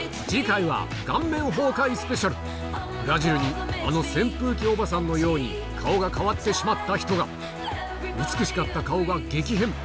ブラジルにあの扇風機おばさんのように顔が変わってしまった人が美しかった顔が激変！